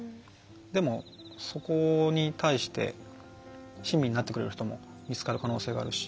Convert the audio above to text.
でもそこに対して親身になってくれる人も見つかる可能性があるし。